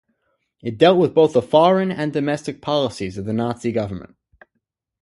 It dealt with both the foreign and domestic policies of the Nazi government.